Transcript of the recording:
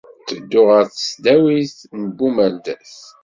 Ttedduɣ ɣer Tesdawit n Bumerdas.